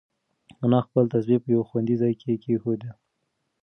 انا خپل تسبیح په یو خوندي ځای کې کېښوده.